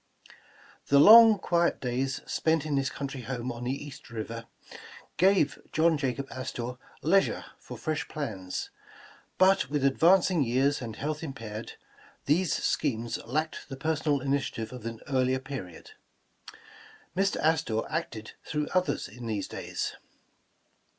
'^ THE long, quiet days spent in his country home on the East River, gave John Jacob Astor leisure for fresh plans, but with advancing years and health impaired, these schemes lacked the personal ini tiative of an earlier period. Mr. Astor acted through others in these days.